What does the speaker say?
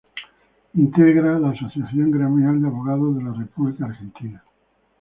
Integra la Asociación Gremial de Abogados de la República Argentina.